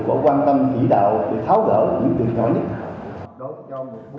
có quan tâm chỉ đạo để tháo gỡ những điều nhỏ nhất